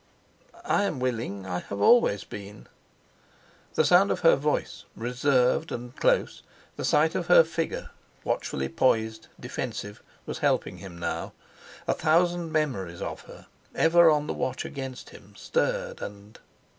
"I am willing. I have always been." The sound of her voice, reserved and close, the sight of her figure watchfully poised, defensive, was helping him now. A thousand memories of her, ever on the watch against him, stirred, and....